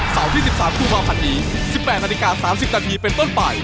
เสาร์ที่๑๓ภูมิภัณฑ์นี้๑๘นาฬิกา๓๐นาทีเป็นต้นไป